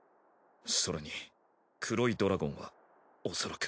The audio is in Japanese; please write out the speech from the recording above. それに黒いドラゴンはおそらく。